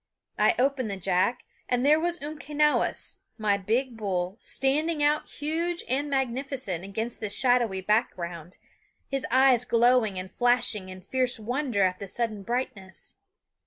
I opened the jack, and there was Umquenawis, my big bull, standing out huge and magnificent against the shadowy background, his eyes glowing and flashing in fierce wonder at the sudden brightness.